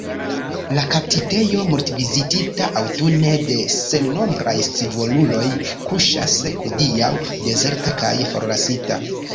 La kaptitejo, multvizitita aŭtune de sennombraj scivoluloj, kuŝas hodiaŭ dezerta kaj forlasita.